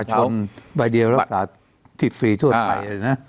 ประชาชนใบเดียวรักษาที่ฟรีทั่วไทย